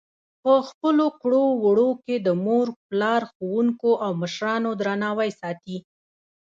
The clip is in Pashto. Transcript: په خپلو کړو وړو کې د مور پلار، ښوونکو او مشرانو درناوی ساتي.